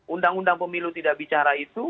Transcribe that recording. undang undang pemilu tidak bicara itu